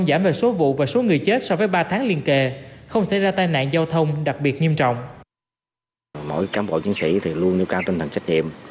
đặc biệt nghiêm trọng mỗi cán bộ chiến sĩ luôn nâng cao tinh thần trách nhiệm